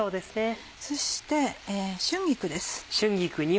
そして春菊です。